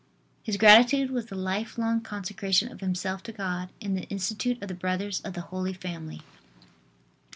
His gratitude was the life long consecration of himself to God in the institute of the Brothers of the Holy Family.